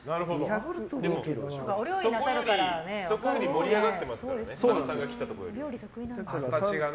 そこより盛り上がってますからね。